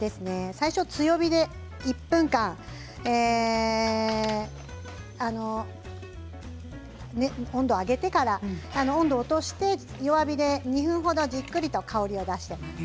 最初、強火で１分間温度を上げてから温度を落として弱火で２分程じっくりと香りを出します。